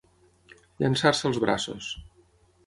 Llançar-se als braços.